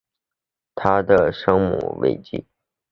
她的生母韦妃。